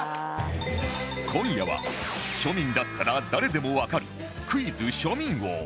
今夜は庶民だったら誰でもわかるクイズ庶民王